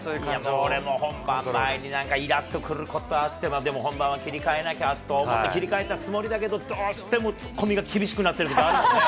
俺も本番前に、いらっとくることあって、でも本番は切り替えなきゃと思って、切り替えたつもりだけど、どうしてもつっこみが厳しくなってるときあるもんね。